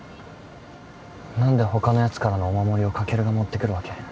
何で他のヤツからのお守りをカケルが持ってくるわけ？